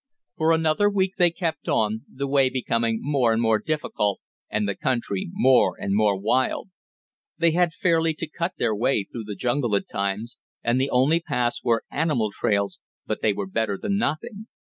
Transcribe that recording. For another week they kept on, the way becoming more and more difficult, and the country more and more wild. They had fairly to cut their way through the jungle at times, and the only paths were animal trails, but they were better than nothing.